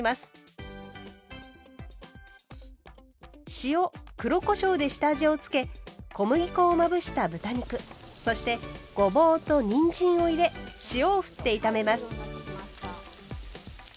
塩黒こしょうで下味を付け小麦粉をまぶした豚肉そしてごぼうとにんじんを入れ塩をふって炒めます。